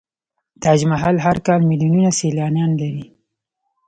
تاج محل هر کال میلیونونه سیلانیان لري.